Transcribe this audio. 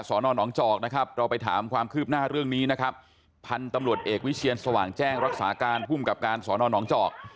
ของน้องเจาะนะคะเราไปถามความคืบหน้าเรื่องนี้นะครับพันตำรวจเอกวิเชียนสว่างแจ้งรักษาการพุ่มกับการสอนอนอง